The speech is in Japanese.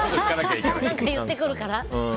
何か言ってくるから。